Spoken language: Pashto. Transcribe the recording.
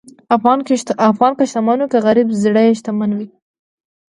افغان که شتمن وي که غریب، زړه یې شتمن وي.